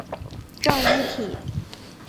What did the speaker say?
正一品。